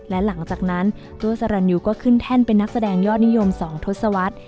และหลังจากนั้นตัวสรรยูก็ขึ้นแท่นเป็นนักแสดงยอดนิยม๒ทศวรรษ